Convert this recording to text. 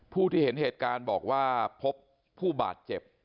ผู้ที่เห็นเหตุการณ์บอกว่าพบผู้บาดเจ็บ